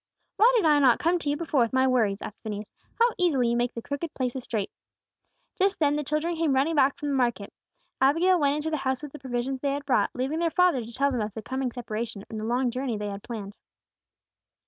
"Why did I not come to you before with my worries?" asked Phineas. "How easily you make the crooked places straight!" Just then the children came running back from the market. Abigail went into the house with the provisions they had brought, leaving their father to tell them of the coming separation and the long journey they had planned.